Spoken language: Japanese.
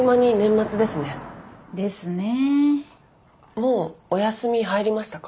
もうお休み入りましたか？